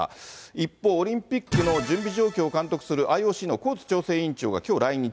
一方、オリンピックの準備状況を監督するＩＯＣのコーツ調整委員長がきょう来日。